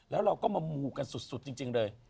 แล้วเราก็มามูกันสุดจริงเลย